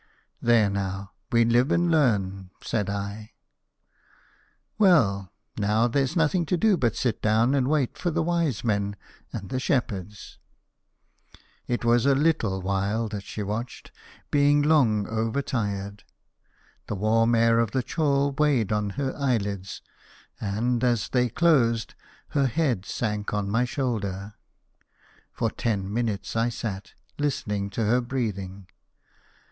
"There, now! We live and learn," said I. "Well, now there's nothing to do but sit down and wait for the wise men and the shepherds." It was a little while that she watched, being long over tired. The warm air of the chall weighed on her eyelids; and, as they closed, her head sank on my shoulder. For ten minutes I sat, listening to her breathing.